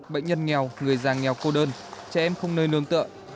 bệnh nhân nghèo người già nghèo cô đơn trẻ em không nơi nương tựa